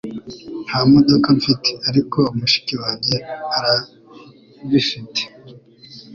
Nta modoka mfite, ariko mushiki wanjye arabifite.